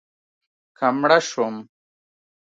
که مړه شوم